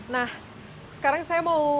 nah sekarang saya mau